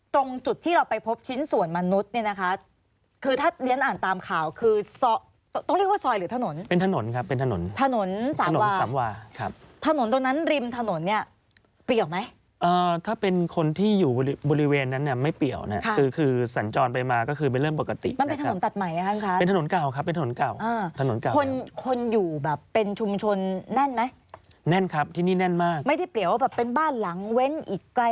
ต้องเรียกว่าซอยหรือถนนเป็นถนนครับเป็นถนนถนนสามวาถนนตรงนั้นริมถนนเนี่ยเปรี้ยวไหมถ้าเป็นคนที่อยู่บริเวณนั้นไม่เปรี้ยวนะคือสั่งจรไปมาก็คือเป็นเรื่องปกติมันเป็นถนนตัดใหม่นะครับเป็นถนนเก่าครับเป็นถนนเก่าคนอยู่แบบเป็นชุมชนแน่นไหมแน่นครับที่นี่แน่นมากไม่ได้เปรี้ยวแบบเป็นบ้านหลังเว้นอีกไก